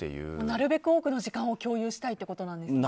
なるべく多くの時間を共有したいってことなんですか。